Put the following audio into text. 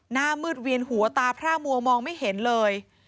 หน้ามืดเวียนหัวตาพระมัวมองไม่เห็นเลย